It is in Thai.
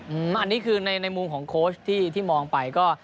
อันนี้คือในมุมของโค้ชที่มองไปก็